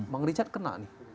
mengericat kena nih